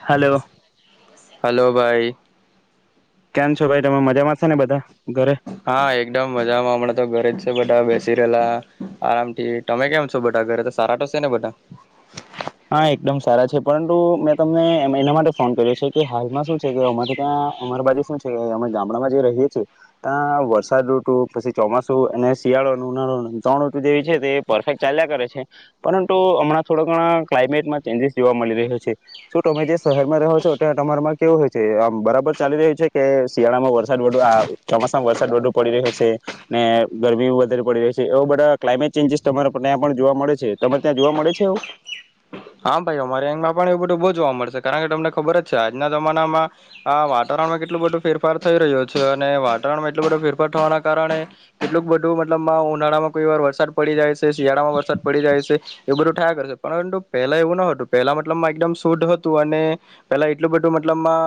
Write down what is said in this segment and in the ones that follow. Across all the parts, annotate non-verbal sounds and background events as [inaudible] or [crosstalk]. Hello. Hello ભાઈ. કેમ છો ભાઈ તમે મજામાં છો ને બધા? ઘરે હા એકદમ મજામાં, હમણાં તો ઘરે જ. બધા બેસી રહેલા આરામથી, ટમે કેમ છો બઢા ઘરે તો સારા તો સે ને બઢા? હા, એકદમ સારા છે. પરંટુ મેં તમને એના માટે ફોન કર્યો છે કે, હાલમાં સુ છે કે, અમારે ત્યાં અમારી બાજુ સુ છે કે, અમે ગામડામાં જે રહીએ છીએ ત્યાં વરસાદ ઋટુ પછી ચોમાસું અને સિયાળો અને ઉનાળો અને ત્રણ ઋતુ જેવી છે તે પરફેક્ટ ચાલ્યા કરે છે પરંટુ હમણાં થોડા ઘણા. ક્લાઇમેટમાં ચેન્જીસ જોવા મળી રહ્યો છે? સુ તમે જે સહેરમાં રહો છો ત્યાં તમારામાં કેવું હોય છે? આમ બરાબર ચાલી રહ્યું છે કે સિયાળામાં વરસાદ આ ચોમાસામાં વરસાદ વધુ પડી રહયો છે ને ગરમી વધારે પડી રહી છે એવ બધા ક્લાઇમેટ ચેન્જીસ તમારા ત્યાં પણ જોવા મળે છે તમારે ત્યાં જોવા મળે છે એવું? હા ભાઈ અમારે અંગમાં પણ એવું બઢૂં બહુ જોવા મળશે કારણ કે, તમને ખબર જ છે આજના જમાનામાં આ વાતાવરણમાં કેટલું બધો ફેરફાર થઈ રહ્યો છે અને વાતાવણમાં એટલો બધો ફેરફાર થવાના કારણે કેટલુંક બધું, મતલબમાં, ઉનાળામાં કોઈ વાર વરસાદ પડી જાય છે, સિયાળામાં વરસાદ પડી જાય છે એ બધું ઠાયા કરસે પરંટુ પહેલા એવું ન હટુ, પહેલા મટલબમાં એકદમ સુધ હતું અને પેલા એટલું બધું મતલબમાં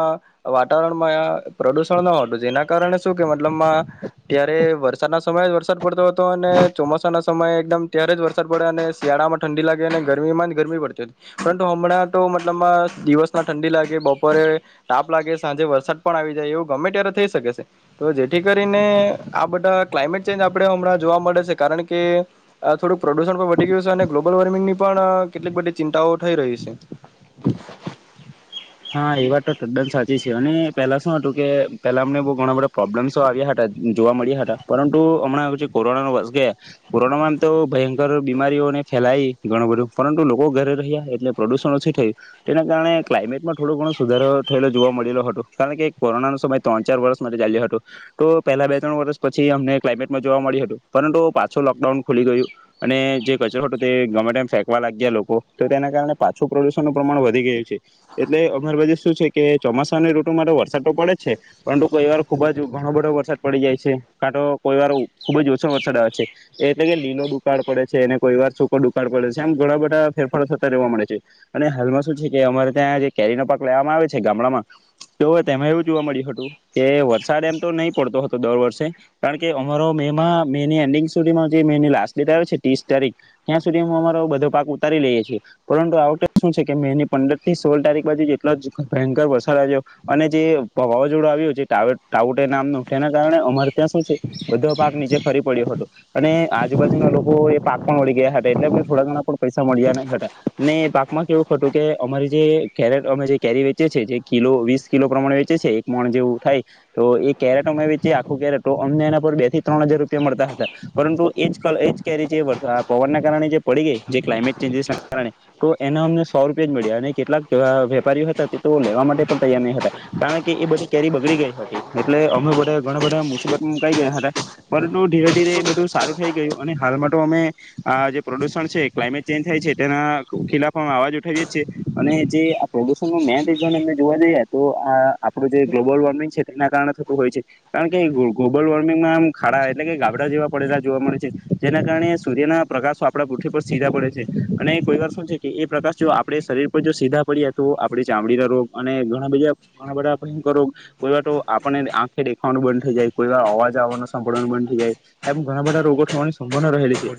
વાતાવરણમાં પ્રદુસણ ન હતું. જેના કારણે સુ કે, મતલબમાં, ત્યારે વરસાદના સમયે જ વરસાદ પડતો હતો, અને ચોમાસાના સમયે, એકદમ ત્યારે જ વરસાદ પડે અને સ્યાળામાં ઠંડી લાગે અને ગરમીમાં ગરમી પડતી હતી, પરંતુ હમણાં તો મતલબમાં, દિવસના ઠંડી લાગે, બપોરે તાપ લાગે, સાંજે વરસાદ પણ આવી જાય, એવું ગમે ત્યારે થઈ શકે છે. તો જેઠી કરીને આ બધા ક્લાઇમેટ ચેન્જ આપણે હમણાં જોવા મળે છે કારણ કે થોડુંક પ્રડુસણ પણ વઢી ગયું છે અને ગ્લોબલ વોર્મિંગની પણ કેટલીક બધી ચિંતાઓ થઈ રહી છે. હા એ વાટ ટો ટદ્દન સાચી છે અને પેલા સુ હતું કે પેલા અમને બહુ ઘણા બધા પ્રોબ્લેમ્સો આવ્યા હટા જોવા મળ્યા હટા, પરંટુ હમણાં કોરોના વસ ગયા, કોરોનામાં તો ભયંકર બીમારીઓને ફેલાય ઘણું બધું, પરંટુ લોકો ઘરે રહિયા, એટલે પ્રડુસણ ઓછું થયું તેના કારણે ક્લાઈમેટમાં થોડો ઘણો સુધારો થયેલો જોવા મળેલો હતો, કારણ કે કોરોનાનો સમય ત્રણ ચાર વર્ષ માટે ચાલ્યો હતો, તો પહેલા બે ત્રણ વર્ષ પછી અમને ક્લાઇમેટમાં જોવા મળ્યું હતું પરંતુ પાછો લોકડાઉન ખુલી ગયું, અને જે કચરો હટુ તે ગમે ટેમ ફેંકવા લાગ્યા લોકો તો તેના કારણે પાછું પ્રદુષણનું પ્રમાણ વધી ગયું છે. એટલે અમારી બાજુ શું છે કે, ચોમાસાની ઋટુમાં તો વરસાદ તો પડે જ છે, પરંટુ કોઈ વાર ખુબ જ ઘણો બધો વરસાદ પડી જાય છે, કા તો કોઈ વાર ખુબ જ ઓછો વરસાદ આવે છે, એટલે કે લીલો દુકાળ પડે છે અને કોઈ વાર સૂકો ડુકાડ પડે છે એમ ઘણા બધા ફેરફારો થતા રહેવા મળે છે, અને હાલમાં શું છે કે અમારે ત્યાં જે કેરીનો પાક લેવામાં આવે છે ગામડામાં, તોઅવે તેમાં એવું જોવા મળ્યું હટુ કે વરસાદ એમ તો નહીં પડતો હતો દર વર્ષે, કારણ કે અમારો મેમાં, મેની એન્ડિંગ સુધીમાં જે મેની લાસ્ટ ડેટ આવે છે, ત્રીસ તારીખ, ત્યાં સુધી અમારો બધો પાક ઉતારી લઈએ છીએ, પરંટુ આ વખતે શું છે કે મે ની પંદર થી સોળ તારીખ બાજુ જેટલો ભયંકર વરસાદ આવ્યો, અને જે વાવાઝોડો આવ્યો છે ટાવુ, ટાવુટે નામનું, તેના કારણે અમારે ત્યાં સુ છે, બધો પાક નીચે ખરી પડ્યો હતો, અને આજુબાજુના લોકોએ પાક પણ વળી ગયા હતા એટલે એમને થોડા ઘણા પણ પૈસા મળ્યા નહી હતા, અને એ પાકમાં કેવું ખ હતું કે અમારી જે કેરેટ અમે જે કેરી વેચે છે, જે કિલો, વીસ કિલો પ્રમાણે વેચે છે, એક મણ જેવું થાય, તો એ કેરેટ અમે વેચી, આખું કેરેટ અમને એના પર બે થી ત્રણ હજાર રૂપિયા મળતા હતા, પરંતુ એ જ ફલ, એ જ કેરી જે પવનના કારણે જે પડી ગઈ, જે ક્લાઇમેટ ચેન્જસના કારણે તો એના અમને સો રૂપિયા જ મળ્યા અને કેટલાક વા વેપારીઓ હતા તે તો લેવા માટે પણ તૈયાર નહીં હતા, કારણ કે એ બધી કેરી બગડી ગઈ હટી. એટલે અમે બઢા ઘણા બઢા મુસીબતમાં મુકાઈ ગયા હટા, પરંટુ ધીરે ધીરે એ બઢૂ સારું થઈ ગયું અને હાલમાં ટો અમે, આ જે પ્રદુષણ છે ક્લાઇમેટ ચેન્જ થાય છે તેના ખિલાફ અમે અવાજ ઉઠાવએ છીએ, અને જે પ્રદૂષણનું મેન રીઝન એટલે જોવા જઈએ તો આ આપણું જે ગ્લોબલ વોર્મિંગ છે તેના કારણે થતું હોય છે, કારણ કે ગો, ગ્લોબલ વોર્મિંગમાં આમ ખાડા એટલે કે ગાભડા જેવા પડેલા જોવા મળે છે, જેના કારણે સૂર્યના પ્રકાશો આપણા પૃથ્ઠી પર સીધા પડે છે, અને કોઈ વાર શું છે કે એ પ્રકાશ જો આપણે શરીર પર જો સીધા પડ તો આપડી ચામડીના રોગ અને ઘણા બીજા, ઘણા બધા ભયંકર રોગ, કોઈ વાર તો આપણને આંખે દેખવાનું બંધ થઈ જાય, કોઈ વાર અવાજ આવવા સાભળવાનું બંધ થઈ જાય, એમ ઘણા બધા રોગો થવાની સંભ વના રહેલી છે,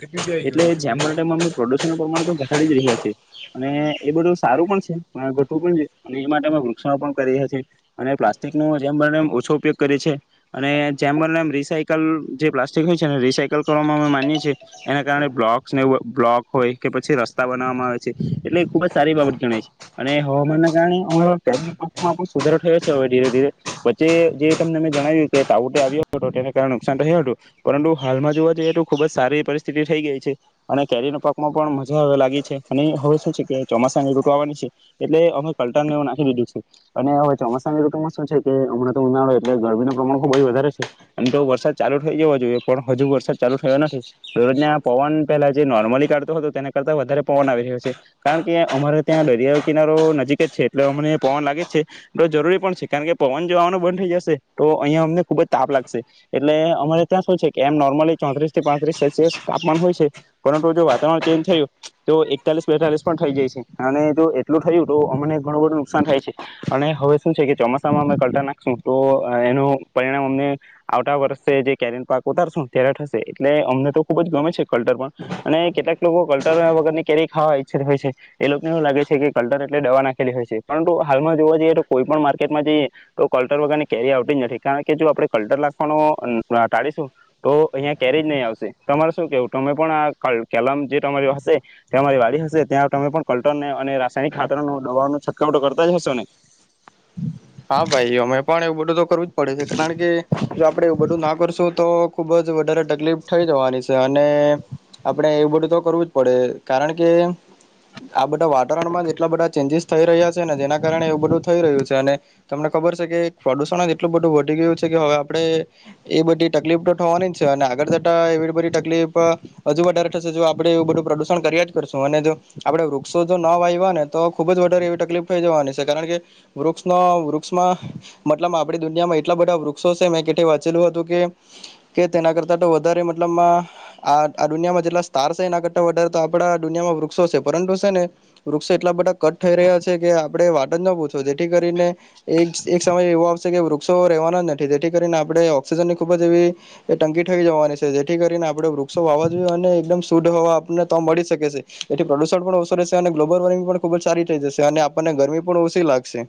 એટલે જેમ બને તેમ આમનું પ્રદૂસનનું પ્રમાન ડી જ રહ્યા છે, અને એ બધું સારું પણ છે. [unintelligible] પણ એ માટે અમે વૃક્ષારોપણ કરીએ છીએ, અને પ્લાસ્ટિકનો જેમ બને ઓછો ઉપયોગ કરે છે, અને જેમ બને એમ રીસકલ જે પ્લાસ્ટિક હોય છેને, રીસાયકલ કરવામાં અમે માનીએ છીએ, એના કારણે બ્લોકસને બ્લોક હોય કે પછી રસ્તા બનાવવામાં આવે છે, એટલે ખુબ જ સારી બાબત ગણાય છે. અને હવામાનના કારણે અમારા કેરી પાકમાં પણ સુધારો થયો છે હવે ધીરે ધીરે, વચ્ચે જે તમને મેં જણાવ્યું કે તાઉટે આવ્યો હતો ટો તેને કારણે નુકસાન થયું હતું, પરંટુ હાલમાં જોવા જઈએ તો ખુબ જ સારી પરિસ્થિતિ થઈ ગઈ છે, અને કેરીના પાકમાં પણ મજા હવે લાગી છે, અને હવે સુ છે કે ચોમાસાની ઋટુ આવવાની છે. એટલે અમે કલટાણ ને એવું નાખી દીધું છેું. અને હવે ચોમાસી ઋતુ માં શું છે કે હમણાં તો ઉનાળ હોય એટલે ગરમીનું પ્રમાણ ખુબ વધારે છે, એમ તો વરસાદ ચાલુ થઈ જવો જોઈએ પણ હજુ વરસાદ ચાલુ થયો નથી, દરરોજ પવન પહેલા જે નોર્મલી કાઢતો હતો તેના કરતાં વધારે પવન આવી રહ્યો છે, કારણ કે અમારે ત્યાં દરિયા કિનારો નજીક જ છે એટલે અમને પવન લાગે જ છે, તો જરૂરી પણ છે કારણ કે પવન જોવાનું બંધ થઈ જશે તો અહિયાં અમને ખુબ જ તાપ લાગશે, એટલે અમારે ત્યાં શું છે- એમ નોર્મલી ચોત્રીસ થી પાત્રીસ સેલ્સિયસ તામાન હોય છે. પરંતુ જો વાતાવરણ ચેન્જ થયું, તો એકતાલીસ બેતાલીસ પણ થઈ જાય છે અને જ એટલું થયું તો અમને ઘણું બધું નુકસાન થાય છે, અને હવે શું છે કે ચોમાસામાં અમે કલટા નાખશું તો એનું પરિણામ અમને, આવતા વર્ષે જે કેરીન પાક ઉતારશું ત્યારે થશે, એટલે અમને તો ખુબ જ ગમે છે. કલ્ટર પણ, અને કેટલાક લોકો કલ્ટર વગર ની કેરી હા એછેરીફેસન હોય છે, એ લોકોને એવું લાગે છે કે અંદર એટલે દવા નાખેલી હોય છે, પરંતુ હાલમાં જોવા જઈએ તો કોઈ પણ માર્કેટમાં જઈએ તો કલ્ટર વગર ની કેરી આવતી જ નથી કારણ કે જો આપણે કલ્ટર લખવાનો ટાળીશું, તો અહિયાં કેરી જ નહી આવશે, તમારે શું કેવું તમે પણ આ કલમ જે તમારી હશે, તમારી વાડી હશે ત્યાં તમે પણ કલ્ટર ને અને ખાતર નુ દબવાનું એકાઉન્ટ કરતા જ હશોને? હા ભાઈ અમે પણ એવું બધું તો કરવું જ પડે છે કારણ કે, જો આપડે એ બધું ના કરશું તો ખૂબ જ વધારે તકલીફ થઈ જવાની છે અને, આપણે એવું બધું તો કરવું જ પડે કારણ કે, આ બધા વાતાવરણમાં જેટલા બધા ચેન્જીસ થઈ રહ્યા છે ને જેના કારણે એવું બધું થઈ રહ્યું છે અને તમને ખબર છે કે પ્રદુષણ જ એટલું બધું વધી ગયું છે કે હવે આપડણે, એ બધી તકલીફ તો થવાની જ છે અને આગળ જતા એવી બધી તકલીફ, હજુ વધારે થશે જો, આપડણે એવું બધું પ્રદુષણ કર્યા જ કરશું અને જો આપડે વૃક્ષો જો ન વાયવા ને તો ખુબ જ વધારે એવી તકલીફ થઈ જવાની છે, કારણ કે વૃક્ષ વૃક્ષમાં, મતલબ આપણી દુનિયામાં એટલા બધા વૃક્ષો છે મેં કે વાંચેલું હતું કે, કે તેના કરતાં તો વધારે મતલબમાં આ આ દુનિયામાં જેટલા સ્ટાર છે એના કરતાં વધારે તો આપણા દુનિયામાં વૃક્ષો છે પરંતુ છે, ને વૃક્ષો એટલા બધા કટ થઈ રહ્યા છે કે આપડણે વાટને જ ના પૂછો ધીક ને, એક એક સમય એવો કે વૃક્ષો રેવાના જ નથી જેથી કરીને આપણે ઓક્સિજન ની ખુબ જ એવી, ટંકી થઈ જવાની છે જેથી કરીને આપણે વૃક્ષો વાવાઝએ અને એકદમ શુદ્ધ હોવા આપને તો મળી શકે છે, એથી પ્રદુષણ પણ ઓછો રહેશે અને ગ્લોબલ વોર્મિંગ પણ ખુબ જ સારી થઈ જશે અને આપણને ગરમી પણ ઓછી લાગશે.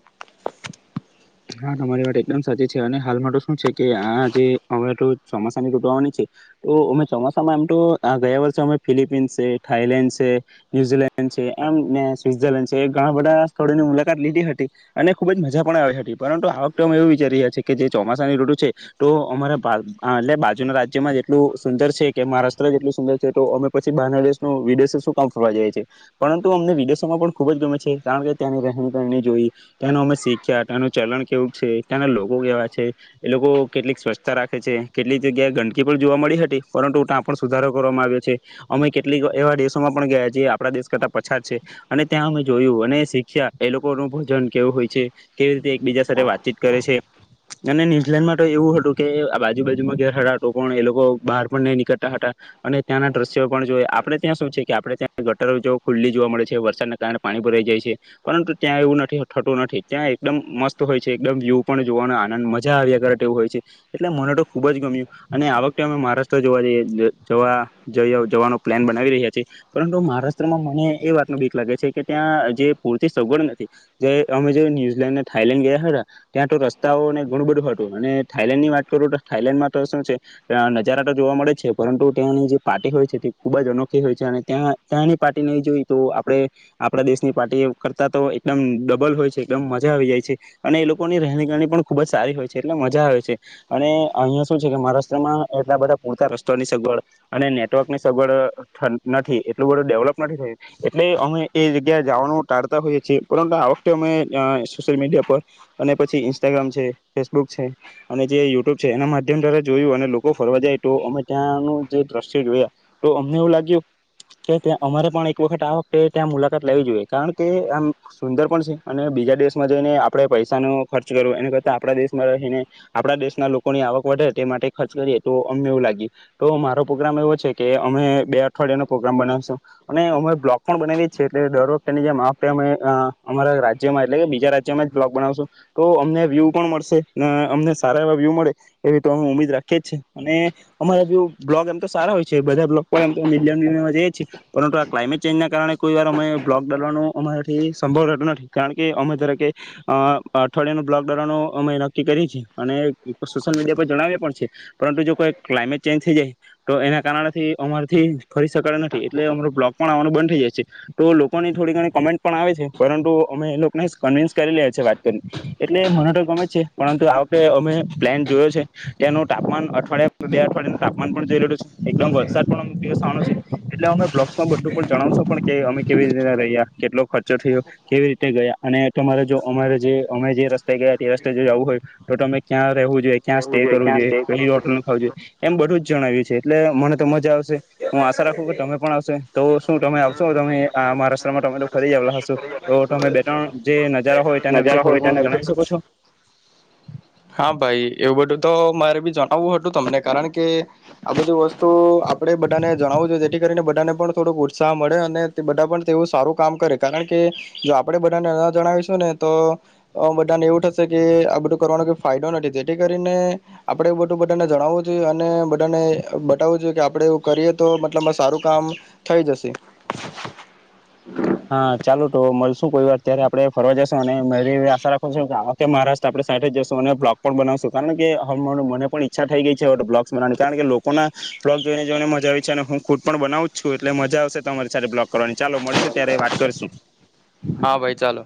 હા તમારી વાત એકદમ સાચી છે અને હાલમાં તો શું છે કે આજે અવે તો ચોમાસાનીઋટુ ઓ આવા ની છે, તો અમે ચોમાસામાં એમ તો આ ગયા વર્ષે અમે ફિલિપીન્સ છે, થાઈલેન્ડ છે, ન્યુઝીલેન્ડ છે, એમ ને સ્વઝરલેન્ડ છે એ ઘણા બધા સ્થળોની મુલાકાત લીધી, હતી અને ખુબ જ મજા પણ આવી હતી. પરંતુ આ વખતે અમે એવું વિચારી રહ્યા છીએ કે જે ચોમાસાની ઋટુ છે, તો અમારા એટલે બાજુના રાજ્યમાં જેટલું સુંદર છે કે મહારાષ્ટ્ર જેટલું સુંદર છે તો અમે પછી બહારના દેશનું વિદેશો શું કામ ફરવા જાય છીએ, પરંતુ અમને વિદેશોમાં પણ ખૂબ જ ગમે છે કારણ કે ત્યાંની રહેણી કરણી જોઈ, ત્યાંનું અમે શીખ્યા ત્યાંનું ચલણ કેવું છે ત્યાંના લોકો કેવા છે, એ લોકો કેટલીક સ્વચ્છતા રાખે છે કેટલીક જગ્યાએ ગંદકી પણ જોવા મળી હતી, પરંતુ ત્યાં પણ સુધારો કરવામાં આવ્યો છે અમે કેટલીક એવા દેશોમાં પણ ગયા જે આપણા દેશ કરતાં પછાત છે અને ત્યાં અમે જોયું અને શીખ્યા એ લોકોનું ભોજન કેવું હોય છે કેવી રીતે બીજા સાથે વાતચીત કરે છે, અને ન્યુઝીલેન્ડમાં તો એવું હતું કે બાજુ બાાજુમાં ઘેર હરાટું પણ એ લોકો બહાર પણ નહીં નીકળતા હતા, અને ત્યાંના દ્રશ્યો પણ જોઈ આપણે ત્યાં શું છે કે આપણે ત્યાં ગટર ખુલ્લી જોવા મળે છે વરસાદના કારણે પાણી પર રહી જાય છે, પરંતુ ત્યાં એવું નથીઠતું નથી ત્યાં એકદમ મસ્ત હોય છે એકદમ વ્યુ પણ જોવાનો આનંદ મજા આવ્યા કરવું હોય છે, એટલે મને તો ખુબ જ ગમ્યું, અને આ વખતે અમે મહારાષ્ટ્ર જોવા જઈએવા જવાનો પ્લાન બનાવી રહ્યા છીએ, પરંતુ મહારાષ્ટ્રમાં મને એ વાત ન બીક લાગે છે કે ત્યાં જે પૂરતી સગવડ નથી, જે અમે જે ન્યુઝીલેન્ડને થાઈલેન્ડ ગયા હતા, ત્યાં તો રસ્તાઓને ઘણું બધું હતું અને થાાઈલેન્ડ ની વાત કરું તો થાાઈલેન્ડમાં તો શું છે, નજારા તો જોવા મળે છે પરંતુ ત્યાંની જે પાર્ટી હોય છે તે ખુબ જ અનોખી હોય છે અને ત્યાં ત્યાંની પાર્ટી નહીં જોઈ તો આપડણે, આપણા દેશની પાર્ટી કરતા તો એકદમ ડબલ હોય છે એકદમ મજા આવી જાય છે. છે અને એ લોકોની રહેની ગણી પણ ખુબ જ સારી હોય છે, એટલે મજા હોય છે અને અહિયાં શું છે કે મહારાષ્ટ્રમાં એટલા બધા પૂરતા રસ્તાની સગવડ અને નેટવર્કની સગવડ નથી, એટલું બધું ડેવલપ નથી થયું, એટલે અમે એ જગ્યા જવાનું ટાળતા હોઈએ છીએ, પરંતુ આ વખતે અમે સોસલ મીડિયા પર અને પછી ઇન્સ્ટાગ્રામ છે, ફેસબુક છે અને જે યુટ્યુબ છે, એના માધ્યમ દ્વારા જોયું અને લોકો ફરવા જાય તો, અમે ત્યાંનું જે દ્રશ્ય જોયા તો અમને એવું લાગ્યું કે અમારે પણ એક વખત આ વખતે ત્યાં મુલાકાત લેવી જોઈએ કારણ કે, આમ સુંદર પણ છે અને બીજા દેશ એપ મા જોઈ ને આપણે પૈસાનો ખર્ચ કરવો એના કરતા આપણા દેશમાં રહીને આપણા દેશના લોકોની આવક વધે તે માટે ખર્ચ કરીએ તો અમને એવું લાગ્યું, તો મારો પ્રોગ્રામ એવો છે કે અમે બે અઠવાડિયાનો પ્રોગ્રામ બનાવીશું અને અમે બ્લોક પણ બનાવીએ એલે દર વખતેની જે માફ અમે અમારા રાજ્યમાં એટલે ત્યાં અચાનક બ્લોગ બનાવશું તો અમને વ્યૂ પણ મળશે ને અમને સારા એવા વ્યૂ મળે એવી તો અમે ઉમીદ રાખીએ જછીએ અને અમારા વ્યુ બ્લોગ એમ તો સારા હોય છે બધા બ્લોગ પરમ મિલિયન મિલિયનમાં જઈએ છીએ, પરંતુ આ ક્લાઇમેટ ચેન્જના કારણે કોઈ વાર અમે બ્લોગ બવાનો અમારાથી સંભવતો નથી કારણ કે અમને અત્યારે અ કે અઠવાડિયા ન બ્લોગ દવાનો અમે નક્કી કરીએ છે અને સોશિયલ મીડિયા પર જણાવએ પણ છે, પરંતુ જો કોઈ ક્લાઇમેટ ચેન્જ થઈ જાય તો એના કારણેથી અમારેથી ફરી શક નથી એટલે અમારો બ્લોગ પણ આવવાનું બંધ થઈ જાય છે, તો લોકોની થોડી ઘણી કોમેન્ટ પણ આવે છે, પરંતુ અમે એ લોક ને કન્વીન્સ કરી લે છે વાત કરીને, એટલે મને તો ગમે જ છે, પરંતુ આ વખતે અમે પ્લાન જોયો છે ત્યાંનું તાપમાન અઠવાડિયા બે અઠવાડિયાનું તાપમાન પણ જઈ રહલું છે. એકદમ વરસાદ પણ અમુ દિવસ આનો છે, એટલે અમે બ્લોક્સમાં બધું પણ જણાવશો પણ કે અમે કેવી રીતે રહહી્યા કેટલો ખર્ચો થયો? કેવી રીતે ગયા? અને તમારે જો અમારે જે અમે જે રસ્તે ગયા, તે રસ્તે જો જવું હોય, તો તમે ક્યાં રહેવું? ક્યાં સ્ટે કરવો જોઈએ? કઈ હોટલ ખાવું જોઈએ? એમ બધું જણાવ્યું છે એટલે મને તો મજા આવશે, હું આશા રાખું કે તમે પણ આવશે તો શું તમે આવસો તમે મહારાષ્ટ્રમા તમે તો ફરી જલા હશો, તો તમે ત્રણ જે નજારા હોય તેના વિશે થોડું ઘણું જણાવી શકો છો હા ભાઈ એવું બધું તો મારે જણાવવું હતું તમને કારણ કે, આ બધી વસ્તુ આપડણે બધાને જણાવું જોએ, જેથી કરીને બધાને પણ થોડોક ઉત્સાહ મળે અને તે બધા પણ તેવું સારું કામ કરે કારણ કે, જો આપણે બધાને ન જણાવીશું ને તો બધાને એવું થશે કે આ બધું કરવાનો કોઈ ફાયદો નથી, તેથી કરીને આપણે બધું બધાને જણાવવું જોઈએ અને બધાને બતાવવું જોઈએ કે, આપણે એવું કરીએ તો મતલબમાં સારું કામ થઈ જશે. [unintelligible] હા ચાલો તો મળશું કોઈ વાર ત્યારે આપડે ફરવા જશું અનેરી આશા રાખું છું કે આ મહારાષ્ટ્ર આપણે સાઈ જશું અને બ્લોગ પણ બનાવશું કારણ કે મને પણ ઈ્છા થઈ ગઈ છે બ્લોગસ બનાવાની કારણ કે લોકો ના બ્લોગ જોઈને જોઈને મજા આવી છે અને હું ખુદ પણ બનાવું છું એટલે મજા આવશે તમારી સાથે બ્લોગ કરવાની ચાલો મળીશ. અત્યારે વાત કરશું. હા. ભાઈ ચાલો.